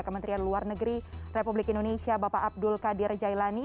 kementerian luar negeri republik indonesia bapak abdul qadir jailani